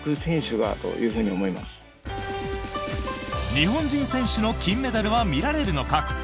日本人選手の金メダルは見られるのか。